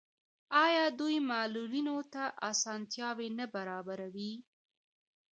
آیا دوی معلولینو ته اسانتیاوې نه برابروي؟